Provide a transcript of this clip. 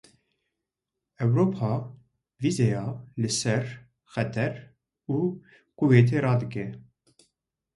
Ewropa, vîzeyê li ser Qeter û Kuweytê radike.